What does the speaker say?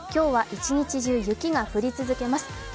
今日は一日中雪が降り続きます。